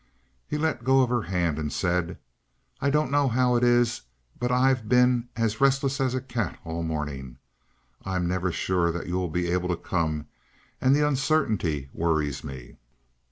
He let go of her hand and said: "I don't know how it is, but I've been as restless as a cat all the morning. I'm never sure that you will be able to come; and the uncertainty worries me."